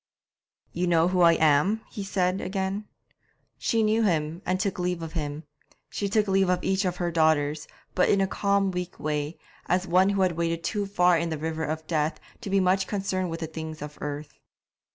'You know who I am?' he said again. She knew him, and took leave of him. She took leave of each of her daughters, but in a calm, weak way, as one who had waded too far into the river of death to be much concerned with the things of earth.